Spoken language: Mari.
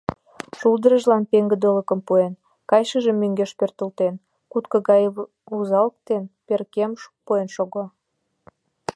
Шулдыржылан пеҥгыдылыкым пуэн, кайышыжым мӧҥгеш пӧртылтен, кутко гае вузалыктен перкем пуэн шого.